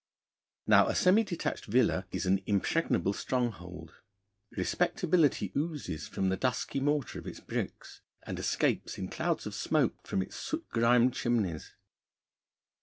Now, a semi detached villa is an impregnable stronghold. Respectability oozes from the dusky mortar of its bricks, and escapes in clouds of smoke from its soot grimed chimneys.